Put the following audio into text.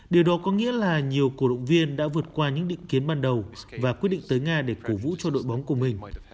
điều đó có nghĩa là nhiều cổ động viên đã vượt qua những định kiến ban đầu và quyết định tới nga để cổ vũ cho đội bóng của mình